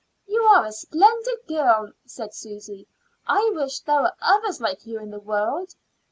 "You are a splendid girl," said Susy. "I wish there were others like you in the world."